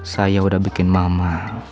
saya udah bikin mama